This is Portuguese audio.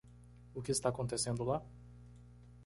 O que está acontecendo lá?